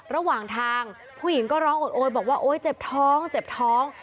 ระหว่างทางผู้หญิงก็ร้องโอดโอยบอกว่าโอ๊ยเจ็บท้องเจ็บท้อง